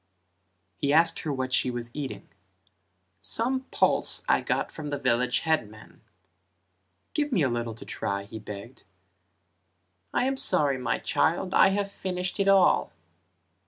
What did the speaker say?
He asked her what she was eating: "Some pulse I got from the village headman," "Give me a little to try" he begged. "I am sorry my child, I have finished it all."